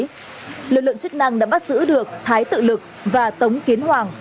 tại đây lực lượng chức năng đã bắt sử được thái tự lực và tống kiến hoàng